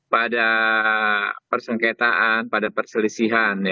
pada persengketaan pada perselisihan